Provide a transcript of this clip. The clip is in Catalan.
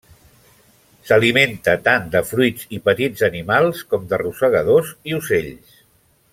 S'alimenta tant de fruits i petits animals com de rosegadors i ocells.